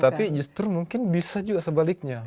tapi justru mungkin bisa juga sebaliknya